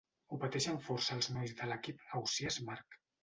Ho pateixen força els nois de l'equip Ausiàs March.